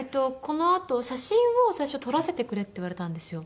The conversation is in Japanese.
このあと写真を最初撮らせてくれって言われたんですよ。